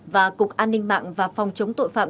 và cục an ninh mạng và phòng chống tội phạm